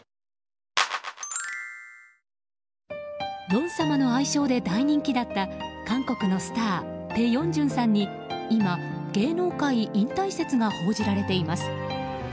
ヨン様の愛称で大人気だった韓国のスターペ・ヨンジュンさんに今、芸能界引退説が報じられています。